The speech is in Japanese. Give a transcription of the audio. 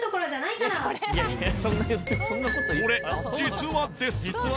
これ実話です。